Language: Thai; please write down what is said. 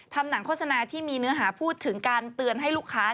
ทำหนังโฆษณาที่มีเนื้อหาพูดถึงการเตือนให้ลูกค้า